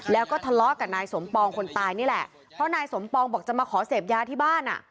แล้วก็ทะเลาะกับนายสมปองคนตายนี่แหละเพราะนายสมปองบอกจะมาขอเสพยาที่บ้านอ่ะ